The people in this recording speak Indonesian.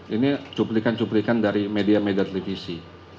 ini cuplikan cuplikan dari media media televisi